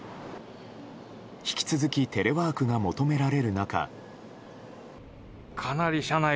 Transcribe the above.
引き続きテレワークが求められる中。